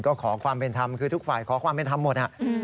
ก็ขอความเป็นธรรมคือทุกฝ่ายขอความเป็นธรรมหมด